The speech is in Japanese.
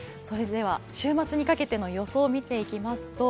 週末にかけての予想を見ていきますと